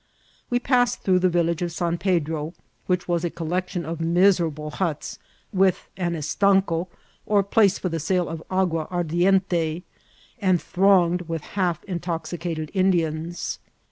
We passed through the village of San Pedro, which was a collection of miserable huts, with an estanco or place for the sale of agua ardiente, and thronged with half intoxicated In dians.